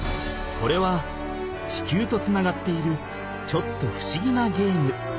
これは地球とつながっているちょっとふしぎなゲーム。